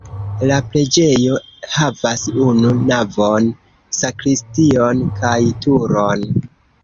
La preĝejo havas unu navon, sakristion kaj turon.